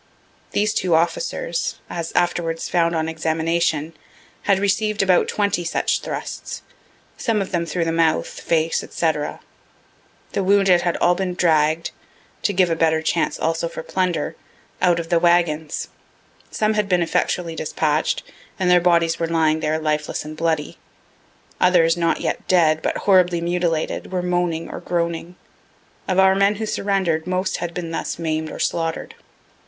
These two officers, as afterwards found on examination, had receiv'd about twenty such thrusts, some of them through the mouth, face, &c. The wounded had all been dragg'd (to give a better chance also for plunder,) out of their wagons; some had been effectually dispatch'd, and their bodies were lying there lifeless and bloody. Others, not yet dead, but horribly mutilated, were moaning or groaning. Of our men who surrender'd, most had been thus maim'd or slaughter'd.